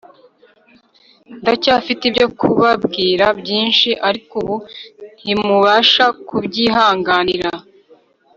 Ndacyafite ibyo kubabwira byinshi, ariko ubu ntimubasha kubyihanganira.